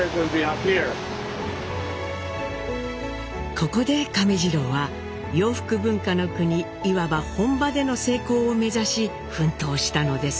ここで亀治郎は洋服文化の国いわば本場での成功を目指し奮闘したのです。